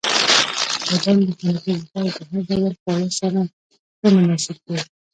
• بادام د خوندیتوب لپاره د هر ډول خواړو سره ښه مناسب دی.